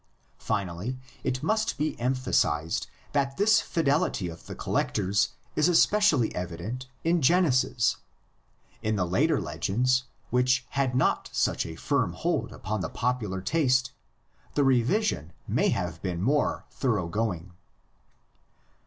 Finally, it must be emphasised that this fidelity of the collectors is especially evident in Genesis; in the later legends, which had not such a firm hold upon the popular taste, the revision may have been more thorough going.